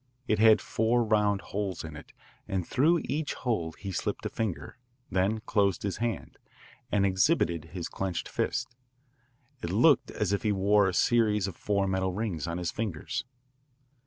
It had four round holes in it and through each hole he slipped a finger, then closed his hand, and exhibited his clenched fist. It looked as if he wore a series of four metal rings on his fingers.